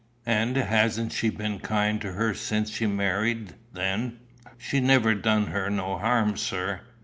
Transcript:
"And hasn't she been kind to her since she married, then?" "She's never done her no harm, sir."